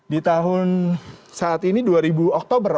di tahun saat ini oktober dua ribu dua puluh dua